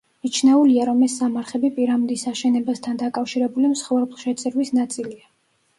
მიჩნეულია, რომ ეს სამარხები პირამიდის აშენებასთან დაკავშირებული მსხვერპლშეწირვის ნაწილია.